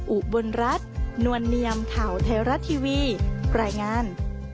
อุบลรัฐนวลเนียมข่าวไทยรัฐทีวีรายงาน